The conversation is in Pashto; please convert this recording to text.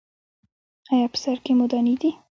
ایا په سر کې مو دانې دي؟